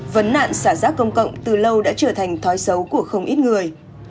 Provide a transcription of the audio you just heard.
vấn nạn xả rác công cộng từ lâu đã trở thành thói xấu của không ít người